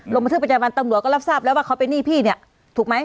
ลงมาถึงประจำวันตำหนัวก็รับทราบแล้วว่าเขาไปหนี้พี่เนี้ยถูกไหม